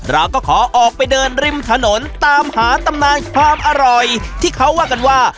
เราก็ขอออกไปเดินริมถนนตามหาตำนานความอร่อยที่เขาว่ากันว่า